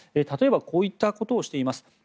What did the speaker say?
例えばこういうことをしています。